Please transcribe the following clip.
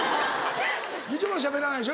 みちょぱしゃべらないでしょ